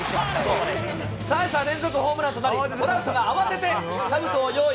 ３者連続ホームランとなり、トラウトが慌ててかぶとを用意。